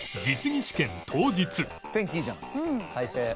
「天気いいじゃん」「快晴」